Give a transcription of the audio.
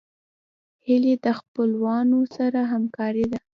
هیلۍ د خپلوانو سره همکاره ده